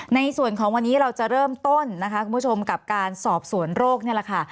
ในส่วนของวันนี้เราจะเริ่มต้นนะคะคุณผู้ชมกับการสอบสวนโรคนี่แหละค่ะ